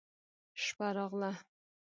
شپه راغله.